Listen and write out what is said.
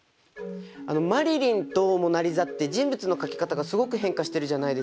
「マリリン」と「モナ・リザ」って人物の描き方がすごく変化してるじゃないですか。